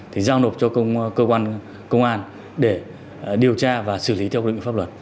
thì giao nộp cho cơ quan công an để điều tra và xử lý theo quy định pháp luật